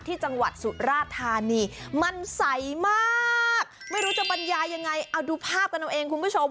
ที่จังหวัดสุราธานีมันใสมากไม่รู้จะบรรยายยังไงเอาดูภาพกันเอาเองคุณผู้ชม